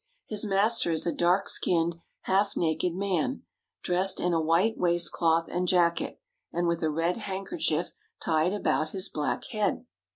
His master is a dark skinned, half naked man, dressed in a white waistcloth and jacket, and with a red handkerchief tied about his black head.